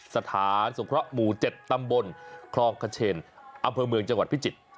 สถานสงเคราะห์หมู่๗ตำบลคลองขเชนอำเภอเมืองจังหวัดพิจิตร